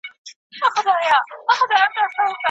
د آسمان له تشه لاسه پرېوتلې پیمانه یم